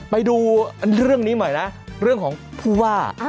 ไปดูเรื่องนี้หน่อยนะเรื่องของผู้ว่า